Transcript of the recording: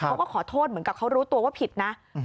เขาก็ขอโทษเหมือนกับเขารู้ตัวว่าผิดนะ